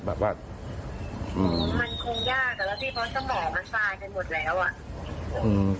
แบบว่ามันคงยาก